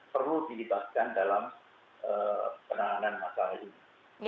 perlu dilibatkan dalam penanganan masalah ini